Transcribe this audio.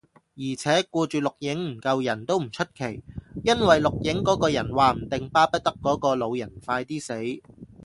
而且，顧住錄影唔救人，都唔出奇，因為錄影嗰個人話唔定巴不得嗰個老人快啲死